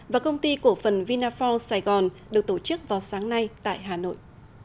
và công ty cổ phần vinafor sài gòn được tổ chức vào sáng nay tại hà nội